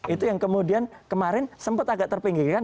itu yang kemudian kemarin sempat agak terpinggirkan